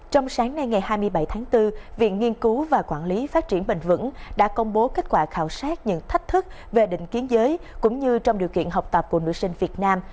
trong sáng nay ngày hai mươi bảy tháng bốn viện nghiên cứu và quản lý phát triển bền vững đã công bố kết quả khảo sát những thách thức về định kiến giới cũng như trong điều kiện học tập của nữ sinh việt nam